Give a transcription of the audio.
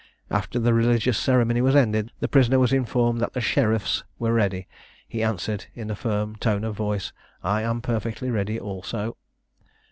After the religious ceremony was ended, the prisoner was informed that the sheriff's were ready. He answered in a firm tone of voice, "I am perfectly ready also."